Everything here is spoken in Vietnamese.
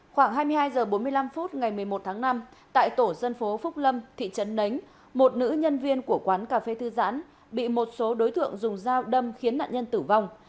khoảng hai mươi hai h bốn mươi năm phút ngày một mươi một tháng năm tại tổ dân phố phúc lâm thị trấn nánh một nữ nhân viên của quán cà phê thư giãn bị một số đối tượng dùng dao đâm khiến nạn nhân tử vong